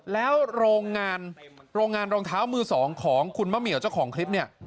แล้วโรงงานโรงงานรองเท้ามือสองของคุณมะเหมียวเจ้าของคลิปเนี่ย